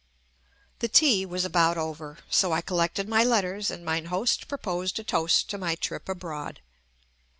The tea was about over, so I collected my letters and mine host proposed a toast to my trip abroad.